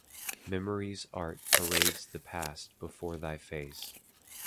Memory's art parades the past before thy face.